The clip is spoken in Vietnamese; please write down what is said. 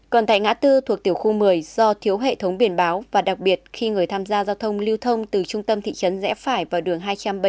còn tại ngã tư thuộc tiểu khu một mươi do thiếu hệ thống biển báo và đặc biệt khi người tham gia giao thông lưu thông từ trung tâm thị trấn rẽ phải vào đường hai trăm bảy mươi bảy